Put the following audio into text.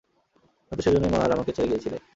হয়ত সেজন্যই মা আর আমাকে ছেড়ে গিয়েছিলে।